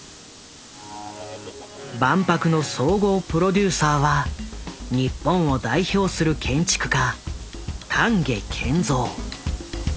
万博の総合プロデューサーは日本を代表する建築家丹下健三。